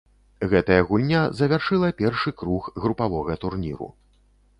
Гэтая гульня завяршыла першы круг групавога турніру.